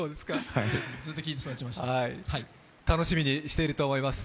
楽しみにしていると思います。